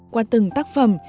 qua từng tác phẩm